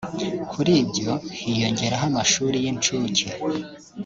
Kuri ibyo hiyongeraho amashuri y’incuke